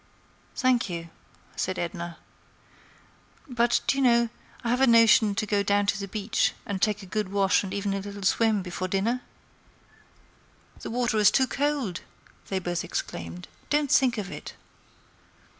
"Thank you," said Edna. "But, do you know, I have a notion to go down to the beach and take a good wash and even a little swim, before dinner?" "The water is too cold!" they both exclaimed. "Don't think of it."